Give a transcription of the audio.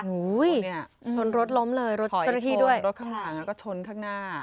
โอ้โหเนี่ยชนรถล้มเลยรถเจ้าหน้าที่ด้วยรถข้างหลังแล้วก็ชนข้างหน้า